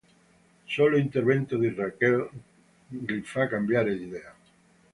Solo l'intervento di Rachel gli fa cambiare idea.